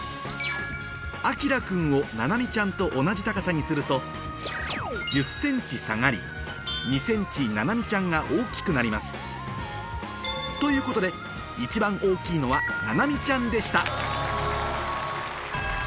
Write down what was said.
あきら君をななみちゃんと同じ高さにすると１０ｃｍ下がりななみちゃんがということで一番大きいのはななみちゃんでした